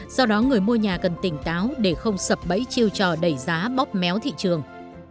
do đó người mua nhà cần tỉnh táo để không sập bẫy chiêu trò đẩy giá bóp méo thị trường